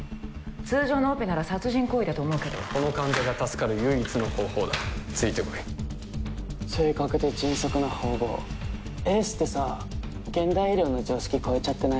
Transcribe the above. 通常のオペなら殺人行為だと思うけどこの患者が助かる唯一の方法だついてこい正確で迅速な縫合エースってさ現代医療の常識越えちゃってない？